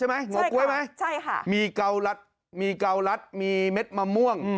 อันนี้เหงาเม็ดมะม่วง